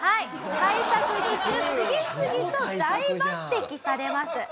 大作に次々と大抜擢されます。